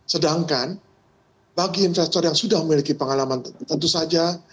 sedangkan bagi investor yang sudah memiliki pengalaman tentu saja